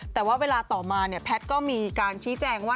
แต่ว่าเวลาต่อมาเนี่ยแพทย์ก็มีการชี้แจงว่า